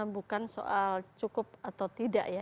bukan soal cukup atau tidak ya